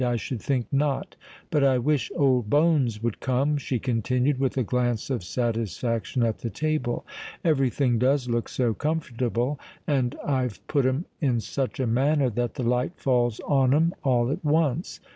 I should think not. But I wish old Bones would come," she continued, with a glance of satisfaction at the table. "Every thing does look so comfortable; and I've put 'em in such a manner that the light falls on 'em all at once.